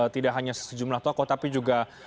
tidak hanya sejumlah tokoh tapi juga